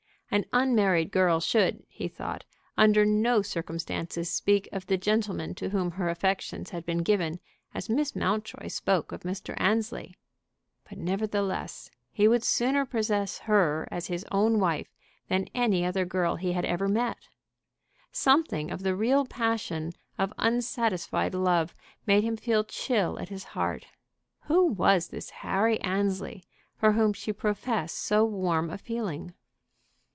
An unmarried girl should, he thought, under no circumstances speak of the gentleman to whom her affections had been given as Miss Mountjoy spoke of Mr. Annesley. But nevertheless he would sooner possess her as his own wife than any other girl he had ever met. Something of the real passion of unsatisfied love made him feel chill at his heart. Who was this Harry Annesley, for whom she professed so warm a feeling?